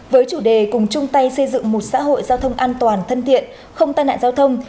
với chủ đề cùng chung tay xây dựng một xã hội giao thông an toàn thân thiện không tai nạn giao thông